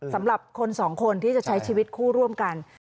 สำหรับคนสองคนที่จะใช้ชีวิตคู่ร่วมกัน